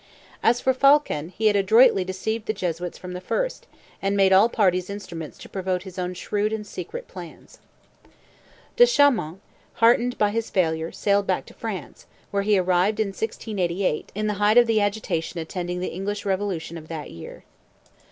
As for Phaulkon, he had adroitly deceived the Jesuits from the first, and made all parties instruments to promote his own shrewd and secret plans. De Chaumont, disheartened by his failure, sailed back to France, where he arrived in 1688, in the height of the agitation attending the English Revolution of that year.